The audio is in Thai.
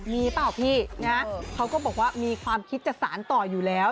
มีเปล่าพี่นะเขาก็บอกว่ามีความคิดจะสารต่ออยู่แล้ว